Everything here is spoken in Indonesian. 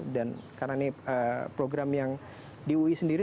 dan karena ini program yang di ui sendiri